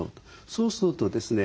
そうするとですね